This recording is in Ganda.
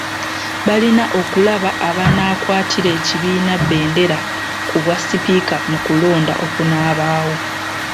Balina okulaba abanaakwatira ekibiina bbendera ku bwa Sipiika mu kulonda okunaabaawo.